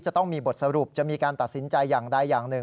จะต้องมีบทสรุปจะมีการตัดสินใจอย่างใดอย่างหนึ่ง